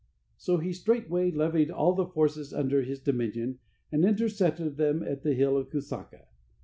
So he straightway levied all the forces under his dominion, and intercepted them at the Hill of Kusaka.